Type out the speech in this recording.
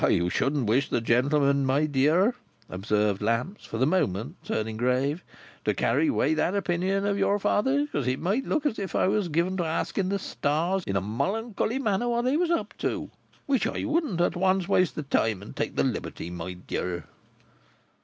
"I shouldn't wish the gentleman, my dear," observed Lamps, for the moment turning grave, "to carry away that opinion of your father, because it might look as if I was given to asking the stars in a molloncolly manner what they was up to. Which I wouldn't at once waste the time, and take the liberty, my dear."